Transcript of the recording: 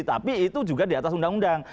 tapi itu juga di atas undang undang